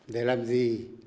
để làm gì